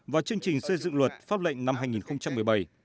và chương trình xây dựng luật pháp lệnh năm hai nghìn một mươi bảy